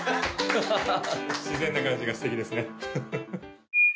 自然な感じが素敵ですね